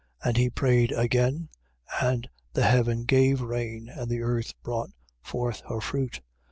5:18. And he prayed again. And the heaven gave rain: and the earth brought forth her fruit.